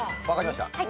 分かりました。